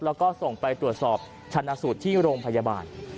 แล้วก็ส่งไปตรวจสอบชนะสูตรที่โรงพยาบาล